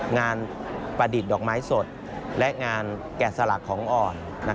ประดิษฐ์ดอกไม้สดและงานแกะสลักของอ่อน